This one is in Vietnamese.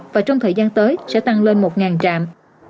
và trong thời gian tới sẽ tăng lên một trạm